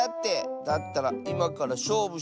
だったらいまからしょうぶしようよ。